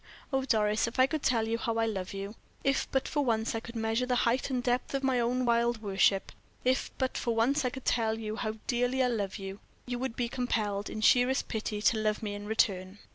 Oh, Doris, if I could tell you how I love you, if but for once I could measure the height and depth of my own wild worship, if but for once I could tell you how dearly I love you, you would be compelled, in sheerest pity, to love me in return."